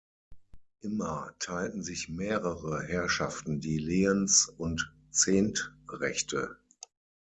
Immer teilten sich mehrere Herrschaften die Lehens- und Zehntrechte.